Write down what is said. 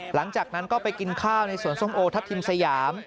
หลังจากนั้นก็ไปกินข้าวในสวนส้มโอทัพทิมสยาม